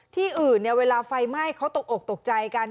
ที่อื่นเวลาไฟไหม้เขาตกอกตกใจกัน